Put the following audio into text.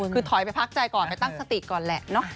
คือถอยไปพักใจก่อนไปตั้งสติก่อนแหละเนอะ